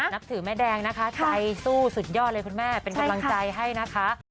นับถือแม่แดงนะคะใจสู้สุดยอดเลยคุณแม่เป็นกำลังใจให้นะคะ